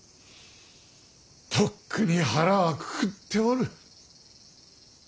とっくに腹はくくっておる。